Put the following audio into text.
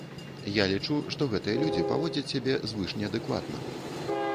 Я лічу, што гэтыя людзі паводзяць сябе звышнеадэкватна.